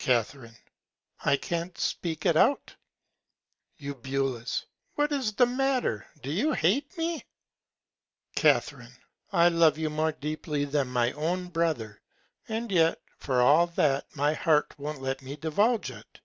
Ca. I can't speak it out. Eu. What is the Matter? Do you hate me? Ca. I love you more dearly than my own Brother, and yet for all that my Heart won't let me divulge it.